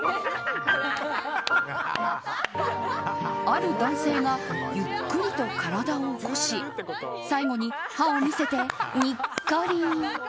ある男性がゆっくりと体を起こし最後に歯を見せて、にっこり。